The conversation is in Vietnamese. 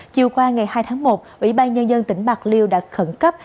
chiều qua ngày hai tháng một ủy ban nhân dân tỉnh bạc liêu đã khẩn cấp